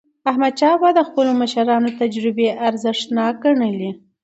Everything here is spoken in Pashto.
احمدشاه بابا د خپلو مشرانو تجربې ارزښتناکې ګڼلې.